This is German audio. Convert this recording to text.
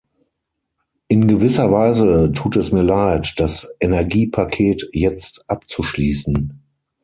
In gewisser Weise tut es mir leid, das Energiepaket jetzt abzuschließen.